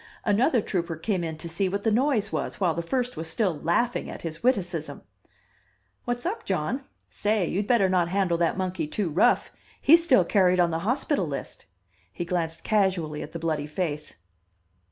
Another trooper came in to see what the noise was while the first was still laughing at his wittcism. "What's up, Jon? Say, you'd better not handle that monkey too rough he's still carried on the hospital list." He glanced casually at the bloody face.